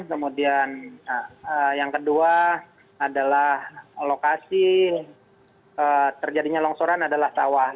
kemudian yang kedua adalah lokasi terjadinya longsoran adalah sawah